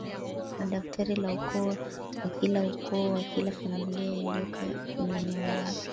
na daftari la Ukoo kwa kila Ukoo na kila familia iliyo kwenye eneo lake